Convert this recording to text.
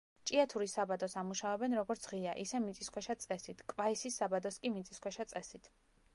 ჭიათურის საბადოს ამუშავებენ როგორც ღია, ისე მიწისქვეშა წესით, კვაისის საბადოს კი მიწისქვეშა წესით.